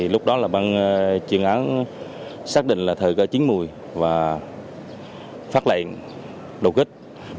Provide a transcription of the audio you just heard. lúc đó là băng chuyên án xác định là thời cơ chín một mươi và phát lệnh đột kích